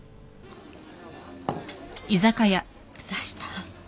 刺した！？